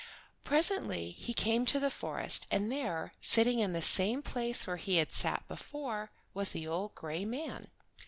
Presently he came to the forest, and there, sitting in the same place where he had sat before, was the old gray man.